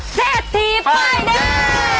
เทศธีป้ายแดง